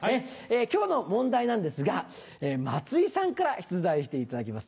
今日の問題なんですが松井さんから出題していただきます。